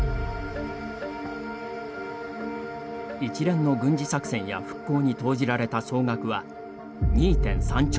一連の軍事作戦や復興に投じられた総額は２．３兆ドル